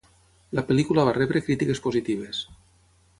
La pel·lícula va rebre crítiques positives.